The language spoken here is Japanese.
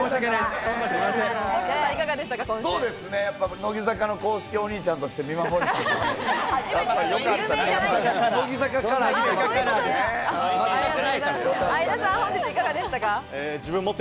乃木坂の公式お兄ちゃんとして見守って。